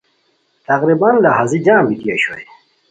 تقریباً لہازی جم بیتی اوشوئے